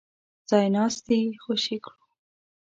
ځای ناستي خوشي کړو.